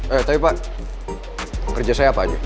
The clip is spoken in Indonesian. eh tapi pak kerja saya apa aja